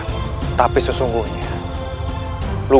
dia ketemu prabu